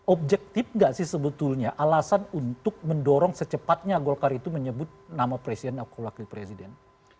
objektif nggak sih sebetulnya alasan untuk mendorong secepatnya golkar itu menyebut nama presiden atau wakil presiden